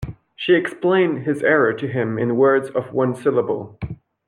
She explained his error to him in words of one syllable.